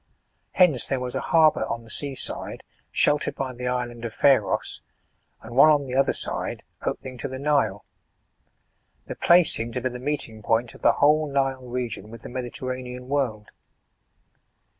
Hence there was a harbour on the sea side, sheltered by the island of Pharos, and one on the other ide, opening to the Nile. The place seemed to be the meeting point of the whole Nile region, with the Medi terranean world.